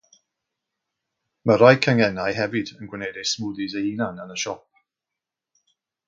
Mae rhai canghennau hefyd yn gwneud eu smwddis eu hunain yn y siop.